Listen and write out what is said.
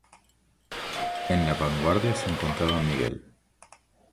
En la vanguardia se encontraba Miguel.